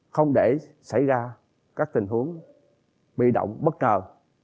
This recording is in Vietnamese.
không để xảy ra các tình huống bị động bất ngờ